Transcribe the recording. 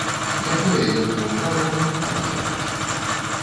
Якое ён меў права маю хату чапаць?